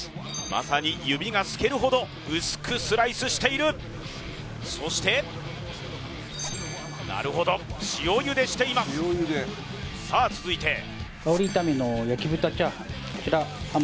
まさに指が透けるほど薄くスライスしているそしてなるほど塩ゆでしていますさあ続いてあおり炒めの焼豚炒飯